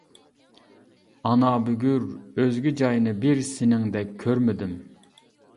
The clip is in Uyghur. ئانا بۈگۈر ئۆزگە جاينى بىر سېنىڭدەك كۆرمىدىم.